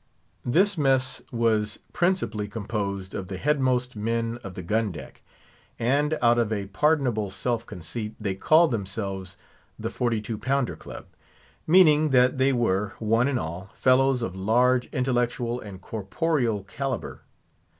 This mess was principally composed of the headmost men of the gun deck; and, out of a pardonable self conceit, they called themselves the "Forty two pounder Club;" meaning that they were, one and all, fellows of large intellectual and corporeal calibre.